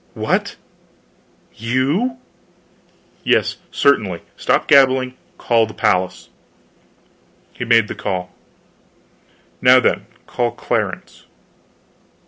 "What you?" "Yes certainly. Stop gabbling. Call the palace." He made the call. "Now, then, call Clarence."